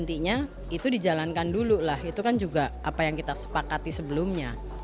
intinya itu dijalankan dulu lah itu kan juga apa yang kita sepakati sebelumnya